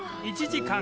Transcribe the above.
「１時間」